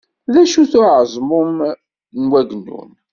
D acu-t uɛeẓmum n wagnun?